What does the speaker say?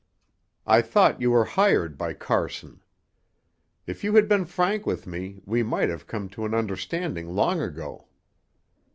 I thought you were hired by Carson. If you had been frank with me we might have come to an understanding long ago.